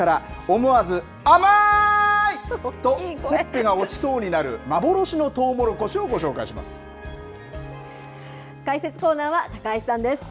思わず、甘ーい！とほっぺが落ちそうになる、幻のとうもろこしを解説コーナーは高橋さんです。